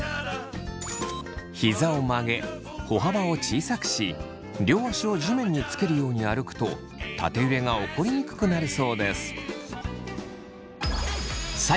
膝を曲げ歩幅を小さくし両足を地面につけるように歩くと縦揺れが起こりにくくなるそうです。